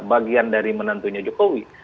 bagian dari menantunya jokowi